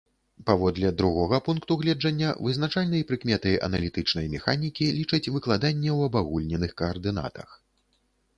Паводле другога пункту гледжання, вызначальнай прыкметай аналітычнай механікі лічаць выкладанне ў абагульненых каардынатах.